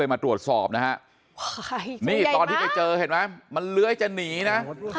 มาตรวจสอบนะฮะนี่ตอนที่ไปเจอเห็นไหมมันเลื้อยจะหนีนะ